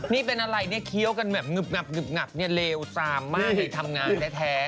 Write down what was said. นี่เป็นอะไรนี่เคี้ยวกันแบบงึบนี่เลวซามมากทำงานได้แท้